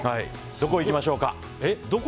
どこ行きましょうか？